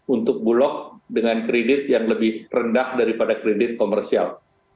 untuk bulog dengan kredit yang lebih rendah daripada kredit komersial